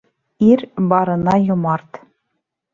Ир барына йомарт.